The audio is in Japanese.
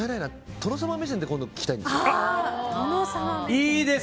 殿様目線で今後聞きたいです。